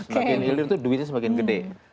bagian hilir itu duitnya semakin gede